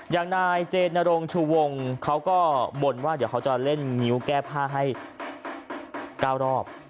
อย่างนายเจนรงชูวงเขาก็บ่นว่าเดี๋ยวเขาจะเล่นงิ้วแก้ผ้าให้๙รอบ